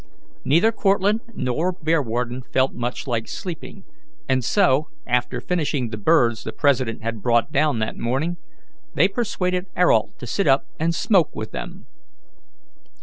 Neither Cortlandt nor Bearwarden felt much like sleeping, and so, after finishing the birds the president had brought down that morning, they persuaded Ayrault to sit up and smoke with them.